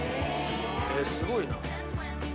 「えっすごいな」